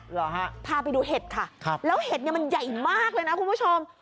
เหรอฮะพาไปดูเห็ดค่ะครับแล้วเห็ดเนี่ยมันใหญ่มากเลยนะคุณผู้ชม